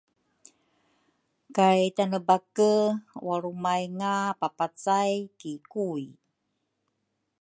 kay Tanebake walrumaynga papacay ki Kui.